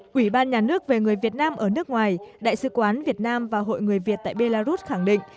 quỹ ban nhà nước về người việt nam ở nước ngoài đại sứ quán việt nam và hội người việt tại belarus khẳng định